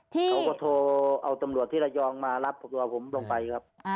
เขาก็โทรเอาตำรวจที่ระยองมารับตัวผมลงไปครับ